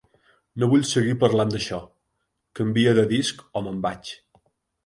No vull seguir parlant d'això. Canvia de disc o me'n vaig.